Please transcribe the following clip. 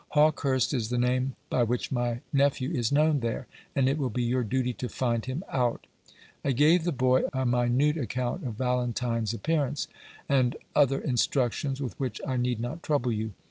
Hawkehurst is the name by which my nephew is known there, and it will be your duty to find him out." I gave the boy a minute account of Valentine's appearance, and other instructions with which I need not trouble you.